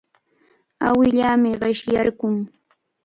Awilaami qishyarqun.